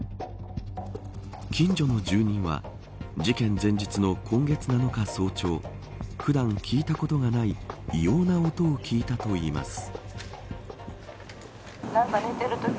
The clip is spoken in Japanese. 近所の住人は事件前日の今月７日早朝普段、聞いたことがない異様な音を聞いたといいます。